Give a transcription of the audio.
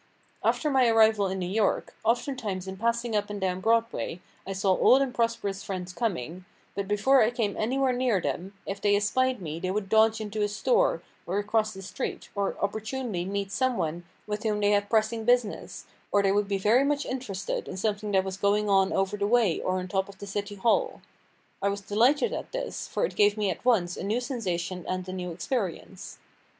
After my arrival in New York, oftentimes in passing up and down Broadway I saw old and prosperous friends coming, but before I came anywhere near them, if they espied me they would dodge into a store, or across the street, or opportunely meet some one with whom they had pressing business, or they would be very much interested in something that was going on over the way or on top of the City Hall. I was delighted at this, for it gave me at once a new sensation and a new experience.